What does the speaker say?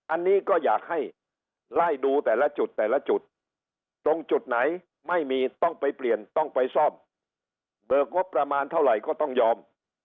อันนี้ก็อยากให้ไล่ดูแต่ละจุดแต่ละจุดตรงจุดไหนไม่มีต้องไปเปลี่ยนต้องไปซ่อมเบิกงบประมาณเท่าไหร่ก็ต้องยอม